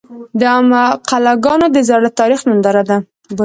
د عمان قلعهګانې د زاړه تاریخ ننداره ده.